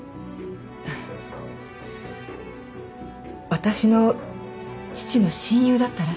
私の父の親友だったらしくて。